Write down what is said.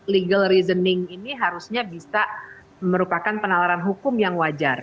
legal reasoning ini harusnya bisa merupakan penalaran hukum yang wajar